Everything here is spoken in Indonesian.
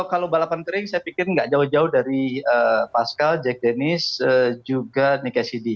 iya kalau balapan kering saya pikir gak jauh jauh dari pascal jack dennis juga nick cassidy